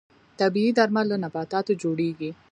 طبیعي درمل له نباتاتو جوړیږي